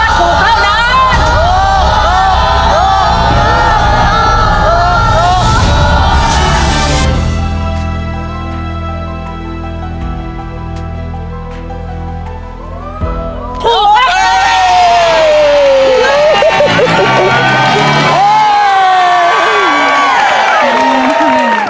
ต้องลุ้นว่าถูกเท่านั้น